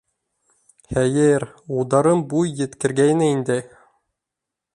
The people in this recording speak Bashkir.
Хәйер, улдарым буй еткергәйне инде.